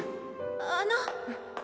あの。